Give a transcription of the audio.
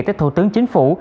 tới thủ tướng chính phủ